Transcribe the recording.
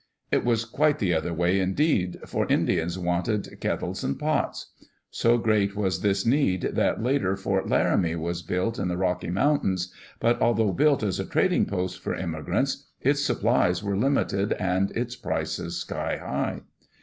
It was quite the other way, indeed, for Indians wanted kettles and pots. So great was this need that later Fort Laramie was bullr in the Rocky Moun tains, but although built as a tradiijg post for immigrants, its supplies were limited and its ^ices sky high.